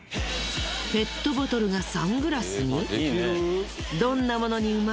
ペットボトルがサングラスに？